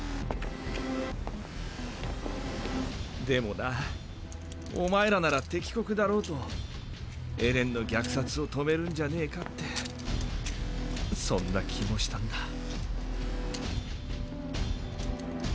でもなお前らなら敵国だろうとエレンの虐殺を止めるんじゃねぇかってそんな気もしたんだ。？